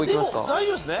大丈夫ですね！